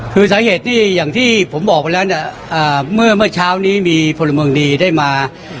คือสาเหตุที่อย่างที่ผมบอกไปแล้วเนี่ยเมื่อเช้านี้มีพลเมืองดีได้มา